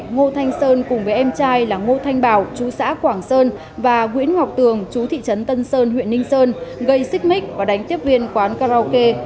ngô thanh sơn cùng với em trai là ngô thanh bảo chú xã quảng sơn và nguyễn ngọc tường chú thị trấn tân sơn huyện ninh sơn gây xích mích và đánh tiếp viên quán karaoke